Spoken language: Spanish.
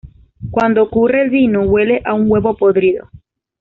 Cuando ocurre el vino huele a un huevo podrido.